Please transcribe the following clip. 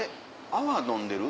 泡飲んでる？